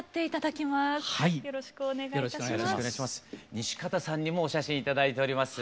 西方さんにもお写真頂いております。